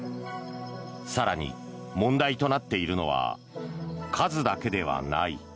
更に、問題となっているのは数だけではない。